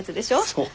そう。